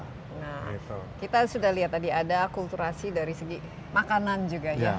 nah kita sudah lihat tadi ada kulturasi dari segi makanan juga ya